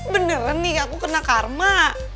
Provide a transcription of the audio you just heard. beneran nih aku kena karma